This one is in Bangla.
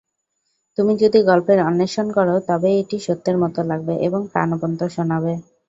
তুমি যদি গল্পের অন্বেষণ কর, তবেই এটি সত্যের মতো লাগবে এবং প্রানবন্ত শোনাবে।